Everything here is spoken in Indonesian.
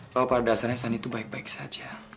bahwa pada dasarnya sandi itu baik baik saja